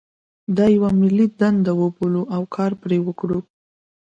دا یوه ملي دنده وبولو او کار پرې وکړو.